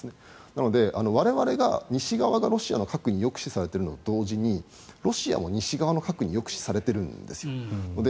なので我々、西側がロシアの核に抑止されているのと同時にロシアも西側の核に抑止されているんです。